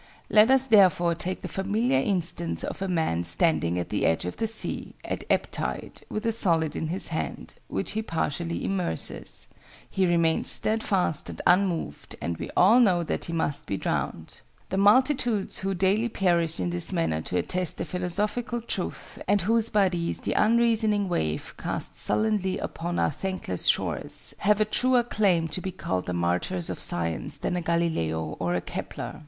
Let us therefore take the familiar instance of a man standing at the edge of the sea, at ebb tide, with a solid in his hand, which he partially immerses: he remains steadfast and unmoved, and we all know that he must be drowned. The multitudes who daily perish in this manner to attest a philosophical truth, and whose bodies the unreasoning wave casts sullenly upon our thankless shores, have a truer claim to be called the martyrs of science than a Galileo or a Kepler.